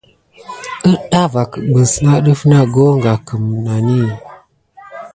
Əɗah va kəmna nok def na hoga kinani kabarkamà meyuhiyaku.